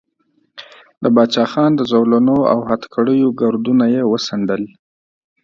د باچا خان د زولنو او هتکړیو ګردونه یې وڅنډل.